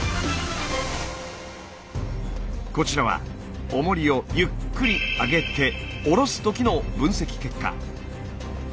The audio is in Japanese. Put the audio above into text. こちらはおもりをゆっくり上げて下ろすときの分析結果。